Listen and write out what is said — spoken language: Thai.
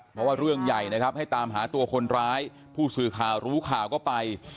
เพราะว่าเรื่องใหญ่นะครับให้ตามหาตัวคนร้ายผู้สื่อข่าวรู้ข่าวก็ไป